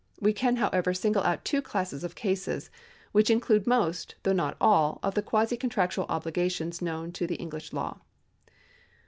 We can, however, single out two classes of cases, which in clude most, though not all, of the quasi contractual obliga tions known to English law.